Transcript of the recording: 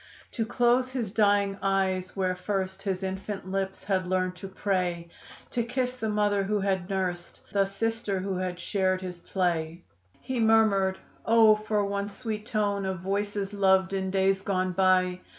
To close his dying eyes where first His infant lips had learned to pray, To kiss the mother who had nursed The sister who had shared his play. He murmured: "Oh, for one sweet tone Of voices loved in days gone by!